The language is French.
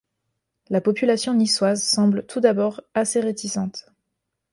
La population niçoise semble tout d'abord assez réticente.